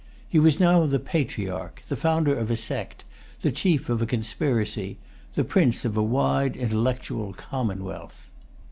He was now the patriarch, the founder of a sect, the chief of a conspiracy, the prince of a wide intellectual[Pg 293] commonwealth.